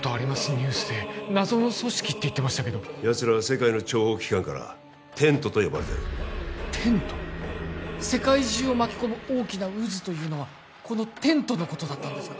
ニュースで謎の組織って言ってましたけどやつらは世界の諜報機関からテントと呼ばれてるテント世界中を巻き込む大きな渦というのはこのテントのことだったんですか？